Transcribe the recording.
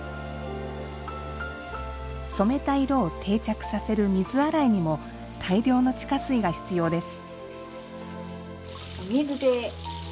染めた色を定着させる水洗いにも大量の地下水が必要です。